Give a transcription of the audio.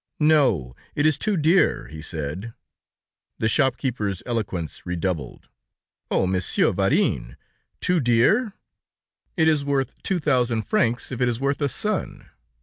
"No, it is too dear," he said. The shop keeper's eloquence redoubled. "Oh! Monsieur Varin, too dear? It is worth two thousand francs, if it is worth a son."